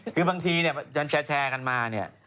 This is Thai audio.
คือบางทีเนี่ยยังแชร์กันมาเนี่ย